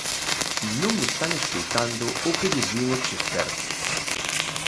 Non están escoitando o que lles din os expertos.